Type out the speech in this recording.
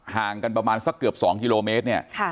ห่างกันประมาณสักเกือบ๒กิโลเมตรเนี่ย